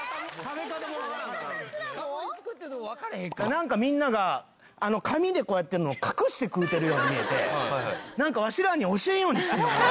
なんかみんなが紙でこうやってるのを隠して食うてるように見えてなんかわしらに教えんようにしてるのかな。